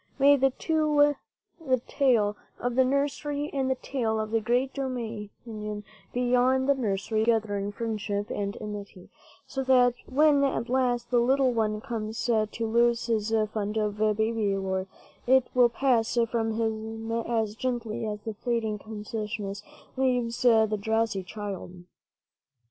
May the two, the tale of the nursery and the tale of the great dominion beyond the nursery, live together in friendship and amity, so that, when at last the little one comes to lose his fund of baby lore, it will pass from him as gently as the fleeing consciousness leaves the drowsy child